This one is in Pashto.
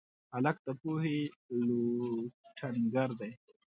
هلک د پوهې لټونګر دی.